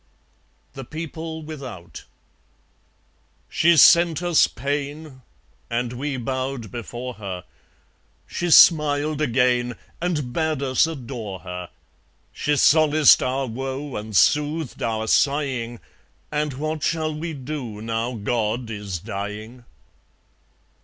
(The People without) She sent us pain, And we bowed before Her; She smiled again And bade us adore Her. She solaced our woe And soothed our sighing; And what shall we do Now God is dying?